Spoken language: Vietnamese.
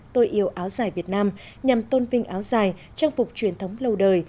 tôi yêu áo dài việt nam nhằm tôn vinh áo dài trang phục truyền thống lâu đời